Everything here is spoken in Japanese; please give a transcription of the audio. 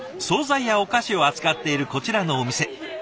総菜やお菓子を扱っているこちらのお店。